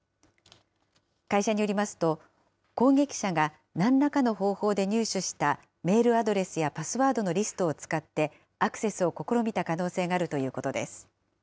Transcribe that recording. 会社によりますと、攻撃者がなんらかの方法で入手したメールアドレスやパスワードのリストを使ってアクセスを試みた可能性があるということです。